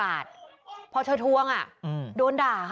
ฮะเออ